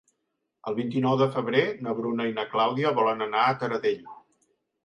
El vint-i-nou de febrer na Bruna i na Clàudia volen anar a Taradell.